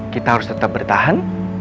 kita harus tetap bertahan